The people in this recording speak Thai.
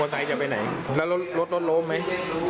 แล้วรถรถโลมไหม